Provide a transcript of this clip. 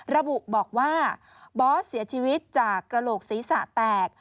ระบุบอกว่าบอสเสียชีวิตจากกระโหลกศีรษะแตก